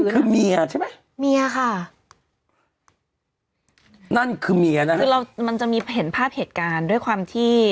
คือเมียใช่ไหมเมียค่ะนั่นคือเมียนะคะคือเรามันจะมีเห็นภาพเหตุการณ์ด้วยความที่